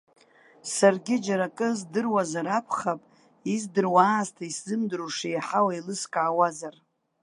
Саргьы џьара акы здыруазар акәхап, издыруа аасҭа исзымдыруа шеиҳау еилыскаауазар.